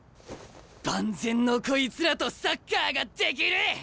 万全のこいつらとサッカーができる！